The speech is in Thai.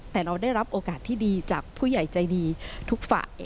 แต่เราได้รับโอกาสที่ดีจากผู้ใหญ่ใจดีทุกฝ่าย